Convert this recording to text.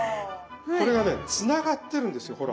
これがねつながってるんですよほら。